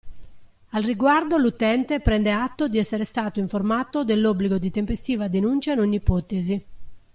Al riguardo l'utente prende atto di essere stato informato dell'obbligo di tempestiva denuncia in ogni ipotesi.